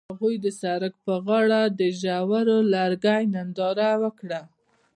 هغوی د سړک پر غاړه د ژور لرګی ننداره وکړه.